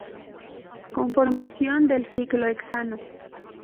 Conformación del ciclohexano